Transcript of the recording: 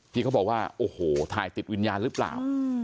ที่เขาบอกว่าโอ้โหถ่ายติดวิญญาณหรือเปล่า